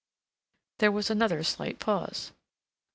There was another slight pause.